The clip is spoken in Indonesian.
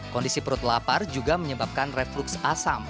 kondisi perut lapar juga menyebabkan reflux asam